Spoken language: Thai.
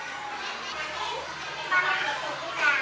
น้องน้องได้อยู่ทั้งส่วน